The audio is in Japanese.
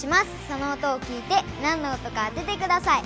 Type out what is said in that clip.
その音を聞いてなんの音か当ててください。